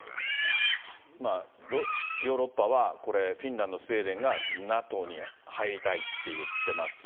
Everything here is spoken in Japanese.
ヨーロッパはこれ、フィンランド、スウェーデンがＮＡＴＯに入りたいって言ってます。